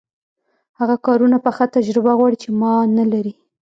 هغه کارونه پخه تجربه غواړي چې ما نلري.